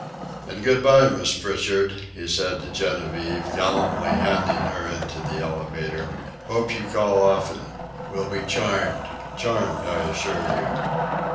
"And good by, Miss Pritchard," he said to Genevieve, gallantly handing her into the elevator. "Hope you call often. Will be charmed charmed I assure you."